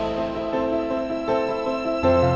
masuk aja dulu